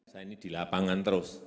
saya ini di lapangan terus